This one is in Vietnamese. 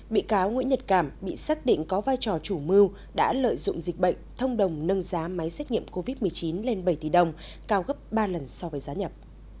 bị cáo nguyễn nhật cảm bị xác định có vai trò chủ mưu đã lợi dụng dịch bệnh thông đồng nâng giá máy xét nghiệm covid một mươi chín lên bảy tỷ đồng cao gấp ba lần so với giá nhập